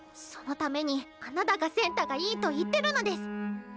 そのためにあなたがセンターがいいと言ってるのデス。